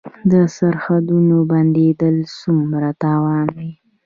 د سرحدونو بندیدل څومره تاوان و؟